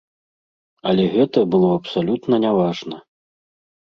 Але гэта было абсалютна няважна.